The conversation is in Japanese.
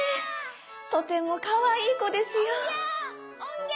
とてもかわいいこですよ」。